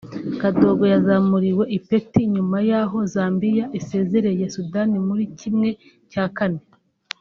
Katongo yazamuriwe ipeti nyuma y’aho Zambiya isezerereye Sudani muri kimwe cya kane